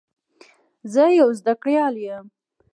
زه یو زده کړیال یم.